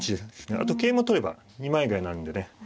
あと桂馬取れば二枚替えになるんでね。